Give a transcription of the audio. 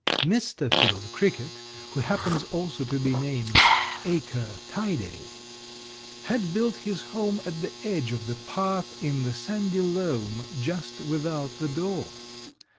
Mr. Field Cricket, who happens also to be named Acre Tidae, had built his home at the edge of the path in the sandy loam just without the door.